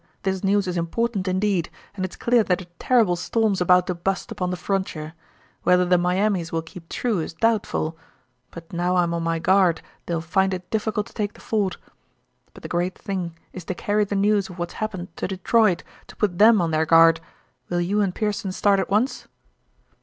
This news is important indeed, and it's clear that a terrible storm's about to bust upon the frontier. Whether the Miamis will keep true is doubtful; but now I'm on my guard they'll find it difficult to take the fort. But the great thing is to carry the news of what's happened to Detroit, to put them on their guard. Will you and Pearson start at once?'